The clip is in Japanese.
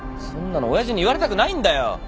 そんなの親父に言われたくないんだよ。